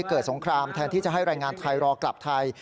สงครามแทนที่จะให้แรงงานไทยรอกลับไทย